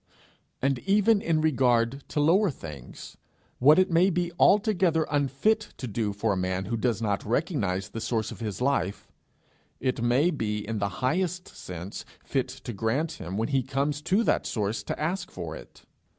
And even in regard to lower things what it may be altogether unfit to do for a man who does not recognize the source of his life, it may be in the highest sense fit to grant him when he comes to that source to ask for it.